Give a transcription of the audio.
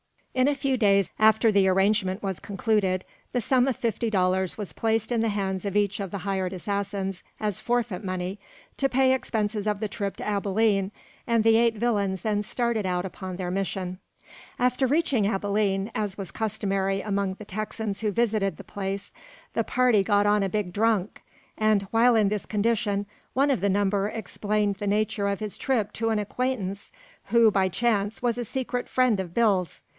In a few days after the arrangement was concluded, the sum of fifty dollars was placed in the hands of each of the hired assassins as forfeit money, to pay expenses of the trip to Abilene, and the eight villains then started out upon their mission. [Illustration: Bill Drives his would be Assassins from the Train.] After reaching Abilene, as was customary among the Texans who visited the place, the party got on a big drunk, and, while in this condition, one of the number explained the nature of his trip to an acquaintance who, by chance, was a secret friend of Bill's.